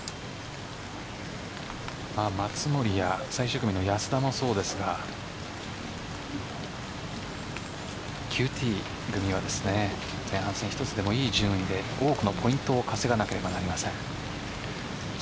松森や最終組の安田もそうですがＱＴ組は１つでもいい順位で多くのポイントを稼がなければなりません。